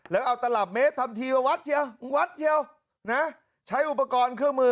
แล้วเอาตลับเมตรทำทีมาวัดเชียววัดเดียวนะใช้อุปกรณ์เครื่องมือ